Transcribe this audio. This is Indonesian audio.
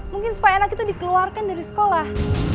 mungkin supaya anak itu dikeluarkan dari sekolah